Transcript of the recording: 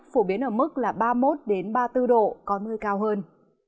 phổ biến ở mức ba mươi một ba mươi bốn độ có mưa cao hơn